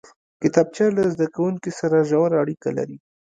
کتابچه له زده کوونکي سره ژوره اړیکه لري